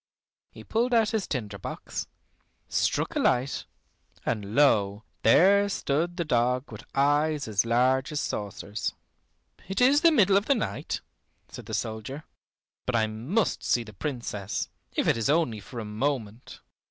He pulled out his tinder box, struck a light, and lo! there stood the dog with eyes as large as saucers. "It is the middle of the night," said the soldier, "but I must see the Princess, if it is only for a moment."